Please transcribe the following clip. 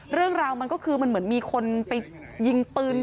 เรื่องราวมันก็คือมันเหมือนมีคนไปยิงปืน